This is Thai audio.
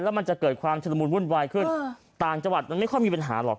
แล้วมันจะเกิดความชุดละมุนวุ่นวายขึ้นต่างจังหวัดมันไม่ค่อยมีปัญหาหรอก